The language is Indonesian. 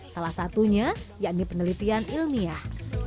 salah satunya yakni penelitian ilmiah